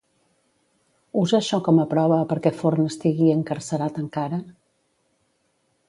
Usa això com a prova perquè Forn estigui encarcerat encara?